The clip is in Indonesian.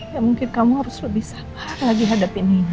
ya mungkin kamu harus lebih sabar lagi hadapin nino ya